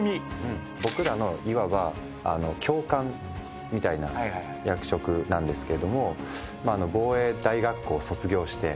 僕らのいわば教官みたいな役職なんですけどもまああの防衛大学校を卒業して。